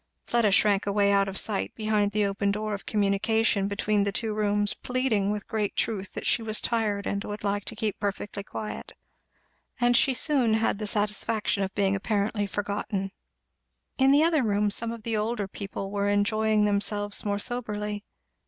Fleda shrank away out of sight behind the open door of communication between the two rooms, pleading with great truth that she was tired and would like to keep perfectly quiet; and she had soon the satisfaction of being apparently forgotten. In the other room some of the older people were enjoying themselves more soberly.